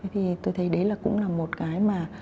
thì tôi thấy đấy là cũng là một cái mà